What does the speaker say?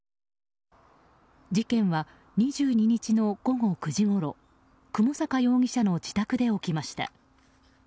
事件は２２日の午後９時ごろ雲坂容疑者の自宅で起きました。